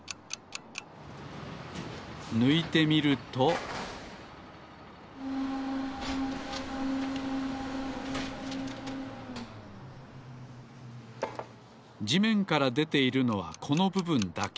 ぬいてみるとじめんからでているのはこのぶぶんだけ。